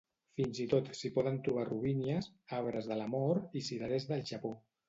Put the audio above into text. Fins i tot s'hi poden trobar robínies, arbres de l'amor i cirerers del Japó.